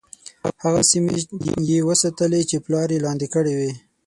هغه سیمي یې وساتلې چې پلار یې لاندي کړې وې.